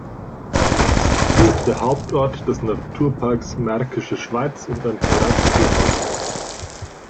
Sie ist der Hauptort des Naturparks Märkische Schweiz und ein Kneippkurort.